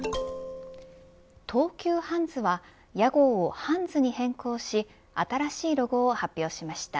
東急ハンズは屋号をハンズに変更し新しいロゴを発表しました。